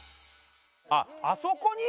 あっあそこに？